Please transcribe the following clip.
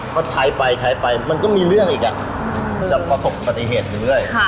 เขาใช้ไปใช้ไปมันก็มีเรื่องอีกอะแต่ก็ถูกปฏิเหตุอยู่ด้วย